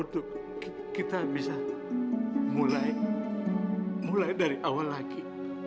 untuk kita bisa mulai dari awal lagi